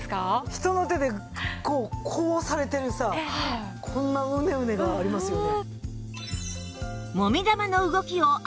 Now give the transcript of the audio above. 人の手でこうされてるさこんなうねうねがありますよね。